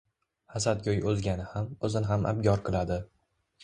Hasadgo’y o’zgani ham, o’zini ham abgor qiladi.